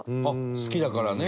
好きだからね。